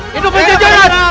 hidup surawi sesa